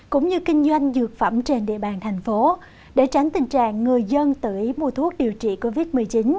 cũng như kinh doanh dược phẩm trên địa bàn thành phố để tránh tình trạng người dân tự ý mua thuốc điều trị covid một mươi chín